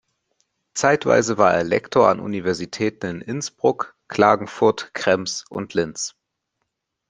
Zeitweise war er Lektor an Universitäten in Innsbruck, Klagenfurt, Krems und Linz.